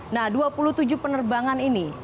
nah dua puluh tujuh penerbangan ini